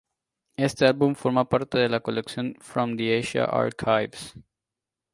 Este álbum forma parte de la colección "From the Asia Archives".